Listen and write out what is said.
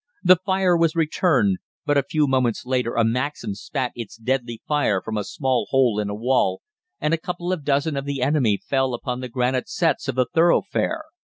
The fire was returned, but a few moments later a Maxim spat its deadly fire from a small hole in a wall, and a couple of dozen of the enemy fell upon the granite setts of the thoroughfare.